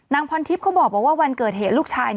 พรทิพย์เขาบอกว่าวันเกิดเหตุลูกชาย